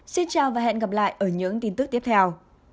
xin chào và hẹn gặp lại ở những tin tức tiếp theo